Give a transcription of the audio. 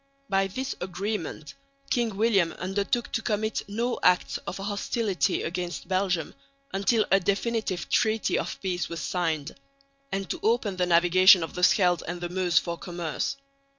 By this agreement King William undertook to commit no acts of hostility against Belgium until a definitive treaty of peace was signed, and to open the navigation of the Scheldt and the Meuse for commerce.